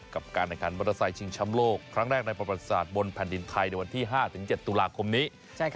การแข่งขันมอเตอร์ไซค์ชิงช้ำโลกครั้งแรกในประวัติศาสตร์บนแผ่นดินไทยในวันที่๕๗ตุลาคมนี้